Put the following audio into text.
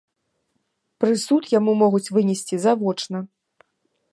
Прысуд яму могуць вынесці завочна.